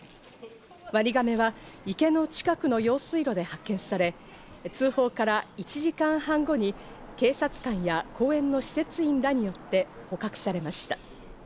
ワニガメは池の近くの用水路で発見され、通報から１時間半後に警察官や公園の施設員らによって捕獲されました。